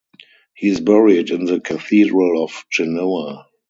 He is buried in the Cathedral of Genoa.